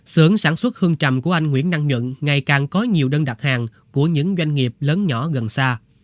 sưởng sản xuất hương trầm của anh nguyễn năng nhuận ngày càng có nhiều đơn đặt hàng của những doanh nghiệp lớn nhỏ gần xa